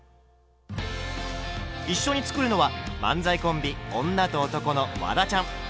一緒に作るのは漫才コンビ「女と男」のワダちゃん。